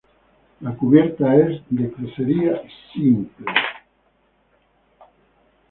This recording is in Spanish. La cubierta es de crucería simple.